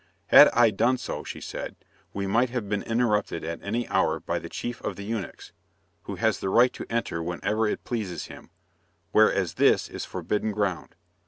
"Had I done so," she said, "we might have been interrupted at any hour by the chief of the eunuchs, who has the right to enter whenever it pleases him, whereas this is forbidden ground.